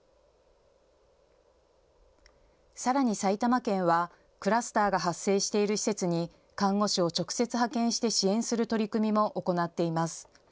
さらに埼玉県はクラスターが発生している施設に看護師を直接派遣して支援する取り組みも行っています。